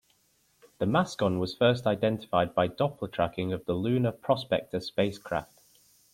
The mascon was first identified by Doppler tracking of the Lunar Prospector spacecraft.